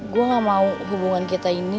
gue gak mau hubungan kita ini